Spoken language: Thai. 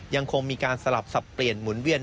ยังคงมีการสลับสับเปลี่ยนหมุนเวียน